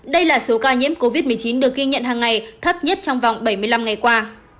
đây là số ca nhiễm covid một mươi chín được ghi nhận hàng ngày thấp nhất trong vòng bảy mươi năm ngày qua